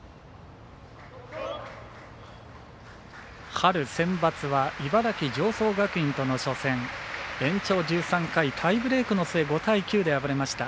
春センバツは茨城・常総学院との初戦延長１３回タイブレークの末５対９で敗れました。